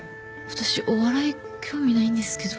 私お笑い興味ないんですけど。